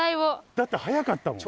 だって早かったもん。